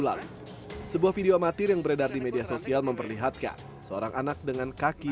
lalu sebuah video amatir yang beredar di media sosial memperlihatkan seorang anak dengan kaki